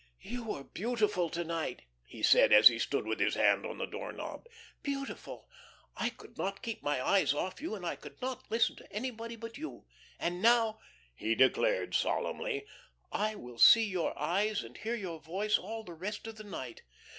"You were beautiful to night," he said, as he stood with his hand on the door knob. "Beautiful. I could not keep my eyes off of you, and I could not listen to anybody but you. And now," he declared, solemnly, "I will see your eyes and hear your voice all the rest of the night.